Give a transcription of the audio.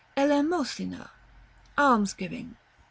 Elemosina. Almsgiving.